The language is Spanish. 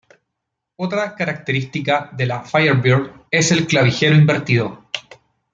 Otra característica de la Firebird es el clavijero invertido.